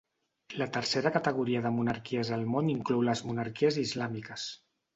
La tercera categoria de monarquies al món inclou les monarquies islàmiques.